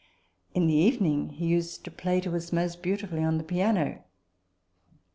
In the evening he used to play to us most beauti fully on the piano.